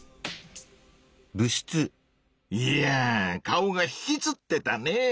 いやぁ顔がひきつってたねぇ！